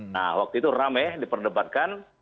nah waktu itu rame diperdebatkan